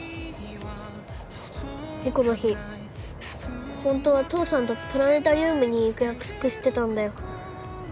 事故の日本当は父さんとプラネタリウムに行く約束してたんだよ